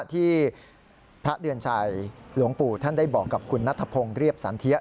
ที่พระเดือนชัยหลวงปู่ท่านได้บอกกับคุณนัทพงศ์เรียบสันเทีย